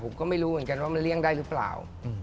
ผมก็ไม่รู้เหมือนกันว่ามันเลี่ยงได้หรือเปล่า